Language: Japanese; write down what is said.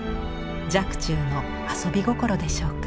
若冲の遊び心でしょうか。